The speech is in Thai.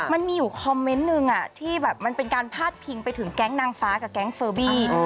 มันมีอยู่คอมเมนต์หนึ่งที่แบบมันเป็นการพาดพิงไปถึงแก๊งนางฟ้ากับแก๊งเฟอร์บี้